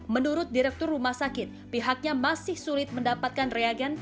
menurut direktur rumah sakit pihaknya masih sulit mendapatkan reagen